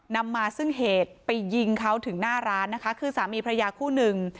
นำมาซึ่งเหตุไปยิงเขาถึงหน้าร้านนะคะคือสามีพระยาคู่หนึ่ง